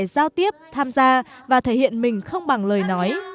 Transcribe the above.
giao tiếp tham gia và thể hiện mình không bằng lời nói